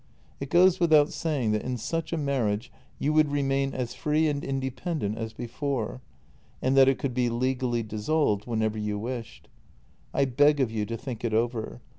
It goes without saying that in such a marriage you would remain as free and independent as before, and that it could be legally dissolved whenever you wished. I beg of you to think it over.